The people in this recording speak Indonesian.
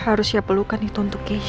harusnya pelukan itu untuk keisha noh